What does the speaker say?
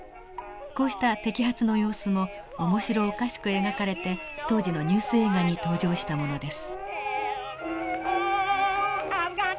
こうした摘発の様子も面白おかしく描かれて当時のニュース映画に登場したものです。